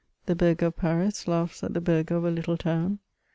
The burgher of Paris laughs at the bui^her of a little town.